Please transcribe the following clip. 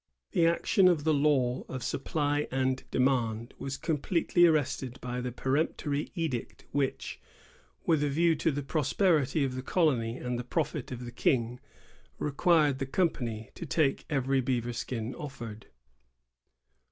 The action of the law of supply and demand was completely arrested by the peremptory edict which, with a view to the prosper ity of the colony and the profit of the King, required the company to take every beaver skin offered.